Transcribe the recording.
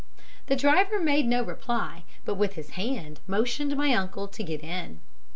The driver made no reply, but with his hand motioned my uncle to get in.